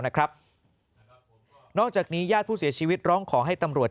นอกจากนี้ญาติผู้เสียชีวิตร้องขอให้ตำรวจ